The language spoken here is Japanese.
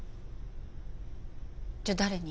じゃあ誰に？